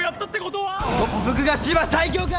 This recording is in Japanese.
特服が千葉最強か！